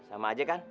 sama aja kan